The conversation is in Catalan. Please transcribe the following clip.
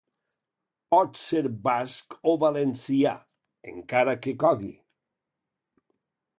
Pot ser basc o valencià, encara que cogui.